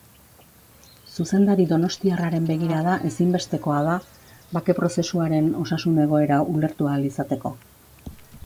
Zuzendari donostiarraren begirada ezinbestekoa da bake-prozesuaren osasun egoera ulertu ahal izateko.